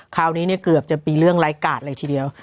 คราวนี้เนี่ยเกือบจะมีเรื่องร้ายกาดเลยทีเดียว